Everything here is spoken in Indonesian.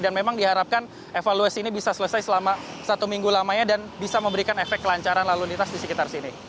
dan memang diharapkan evaluasi ini bisa selesai selama satu minggu lamanya dan bisa memberikan efek kelancaran lalu lintas di sekitar sini